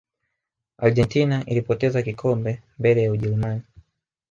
argentina ilipoteza kikombe mbele ya ujerumani